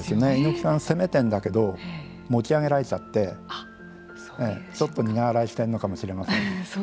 猪木さんが攻めているんだけど持ち上げられちゃってちょっと苦笑いしてるのかもしれません。